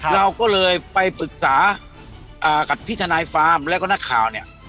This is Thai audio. เราก็เลยไปปรึกษากับพี่ทนายฟาร์มแล้วก็นักข่าวเนี่ย